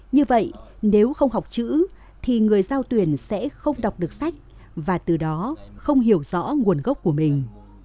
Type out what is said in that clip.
như vậy nếu không học chữ thì người giao tuyển sẽ không đọc được sách và từ đó không hiểu rõ nguồn gốc của mình